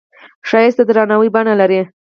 ښایست د درناوي بڼه لري